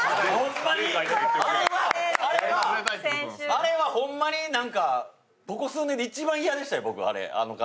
あれはほんまに、なんかここ数年で一番嫌でしたよ、あの感じ。